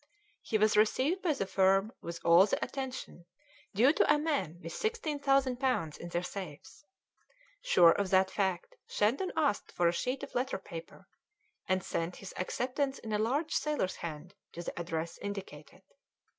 He was received by the firm with all the attention due to a man with sixteen thousand pounds in their safes. Sure of that fact, Shandon asked for a sheet of letter paper, and sent his acceptance in a large sailor's hand to the address indicated.